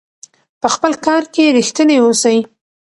په خپل کار کې ریښتیني اوسئ.